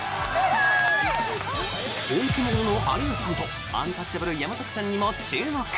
本気モードの有吉さんとアンタッチャブル・山崎さんにも注目！